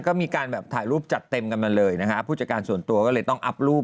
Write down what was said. ก็มีการแบบถ่ายรูปจัดเต็มกันมาเลยนะฮะผู้จัดการส่วนตัวก็เลยต้องอัพรูป